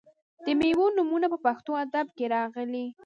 د میوو نومونه په پښتو ادب کې راغلي.